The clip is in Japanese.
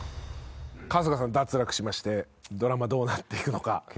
春日さん脱落しましてドラマどうなっていくのか。